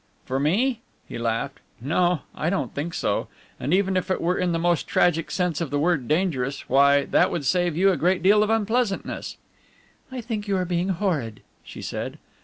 "For me?" he laughed, "no, I don't think so. And even if it were in the most tragic sense of the word dangerous, why, that would save you a great deal of unpleasantness." "I think you are being horrid," she said.